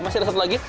masih ada satu lagi